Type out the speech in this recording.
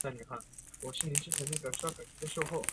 结果是葡萄糖的降解被抑制。